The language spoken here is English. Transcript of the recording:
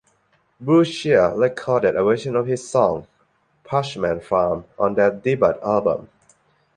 Blue Cheer recorded a version of his song "Parchman Farm" on their debut album.